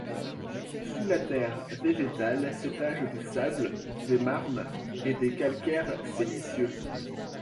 Sous la terre végétale s'étagent des sables, des marnes et des calcaires siliceux.